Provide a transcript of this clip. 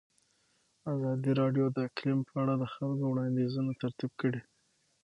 ازادي راډیو د اقلیم په اړه د خلکو وړاندیزونه ترتیب کړي.